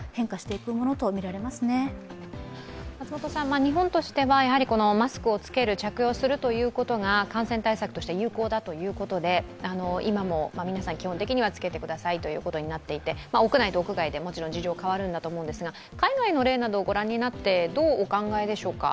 日本としてはマスクを着けるということが感染対策として有効だということで、今も皆さん、基本的には着けてくださいということになっていて、屋内と屋外で事情は変わると思いますが海外の例などをご覧になってどうお考えでしょうか。